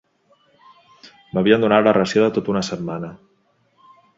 M'havien donat la ració de tota una setmana.